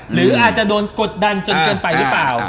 หรืออาจจะโดนกดดันจนเกินไปหรือเปล่า